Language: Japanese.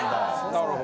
なるほど。